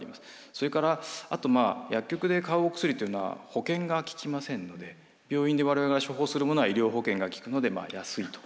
それから薬局で買うお薬っていうのは保険がききませんので病院で我々が処方するものは医療保険がきくので安いと。